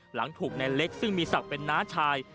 หลังถูกนายเล็กซึ่งมีศักดิ์เป็นน้าชาย